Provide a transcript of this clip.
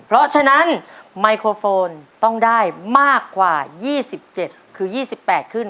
เพราะฉะนั้นไมโครโฟนต้องได้มากกว่า๒๗คือ๒๘ขึ้น